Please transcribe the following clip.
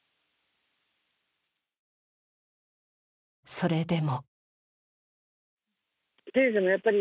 それでも。